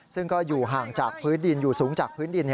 ซึ่งก็อยู่ห่างจากพื้นดินอยู่สูงจากพื้นดิน